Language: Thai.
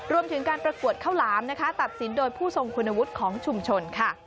รวมถึงการประกวดข้าวหลามนะคะตัดสินโดยผู้ทรงคุณวุฒิของชุมชนค่ะ